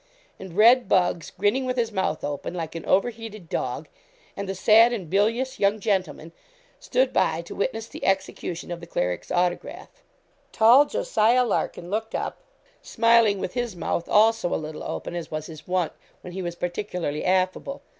and red Buggs, grinning with his mouth open, like an over heated dog, and the sad and bilious young gentleman, stood by to witness the execution of the cleric's autograph. Tall Jos. Larkin looked up, smiling with his mouth also a little open, as was his wont when he was particularly affable.